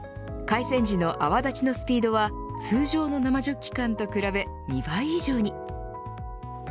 開栓時の泡立ちのスピードは通常の生ジョッキ缶と比べ２倍以上に。